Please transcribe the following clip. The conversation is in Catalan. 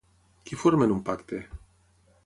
Qui formen un pacte?